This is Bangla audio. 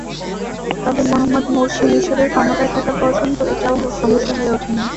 তবে মোহাম্মদ মুরসি মিসরের ক্ষমতায় থাকা পর্যন্ত এটাও সমস্যা হয়ে ওঠেনি।